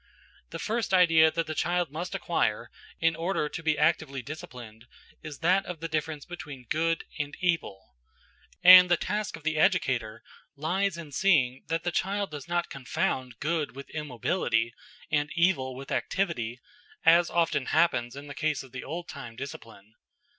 The first idea that the child must acquire, in order to be actively disciplined, is that of the difference between good and evil; and the task of the educator lies in seeing that the child does not confound good with immobility and evil with activity, as often happens in the case of the old time discipline.